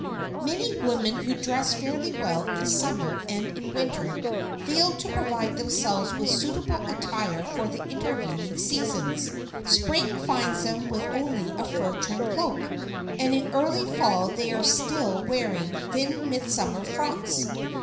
[Sidenote: BETWEEN SEASONS] Many women who dress fairly well in summer and in winter, fail to provide themselves with suitable attire for the intervening seasons. Spring finds them with only a fur trimmed cloak, and in early fall they are still wearing thin midsummer frocks.